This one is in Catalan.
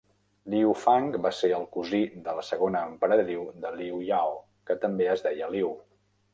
Liu Fang va ser el cosí de la segona emperadriu de Liu Yao, que també es deia Liu.